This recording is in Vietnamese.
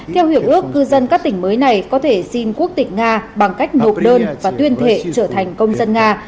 theo hiệp ước cư dân các tỉnh mới này có thể xin quốc tịch nga bằng cách nộp đơn và tuyên thệ trở thành công dân nga